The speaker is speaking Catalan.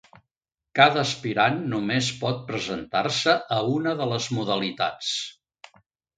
Cada aspirant només pot presentar-se a una de les modalitats.